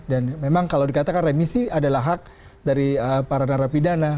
dan memang kalau dikatakan remisi adalah hak dari para narapidana